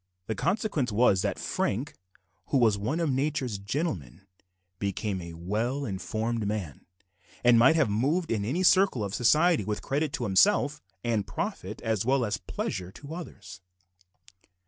The consequence was that Frank, who was one of nature's gentlemen, became a well informed man, and might have moved in any circle of society with credit to himself, and profit as well as pleasure to others.